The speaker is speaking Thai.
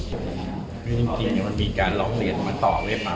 จริงมันมีการรองเรียนมาต่อเว็บมา